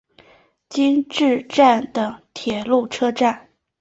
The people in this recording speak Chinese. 今治站的铁路车站。